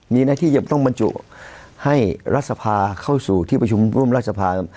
มีหน้าที่จะต้องบรรจุให้รัฐสภาเข้าสู่ที่ประชุมร่วมรัฐสภา